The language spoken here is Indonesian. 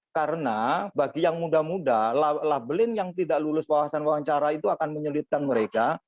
karena bagi yang muda muda labeling yang tidak lulus wawasan wawancara itu akan menyelidikan mereka